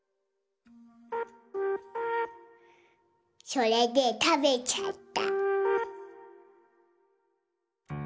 それでたべちゃった。